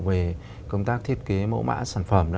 về công tác thiết kế mẫu mã sản phẩm